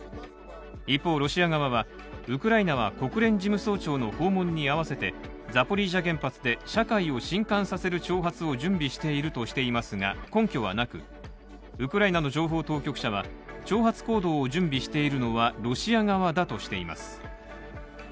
一方、ロシア側はウクライナは国連事務総長の訪問に合わせてザポリージャ原発で社会を震撼させる挑発を準備しているとしていますが根拠はなく、ウクライナの情報当局者は挑発行動を準備しているのはロシア側だとしています。